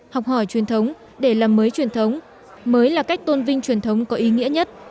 học hỏi truyền thống để làm mới truyền thống mới là cách tôn vinh truyền thống có ý nghĩa nhất